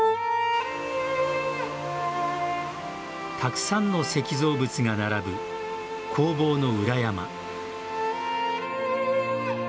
たくさんの石造物が並ぶ工房の裏山。